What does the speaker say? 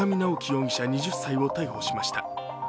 容疑者２０歳を逮捕しました。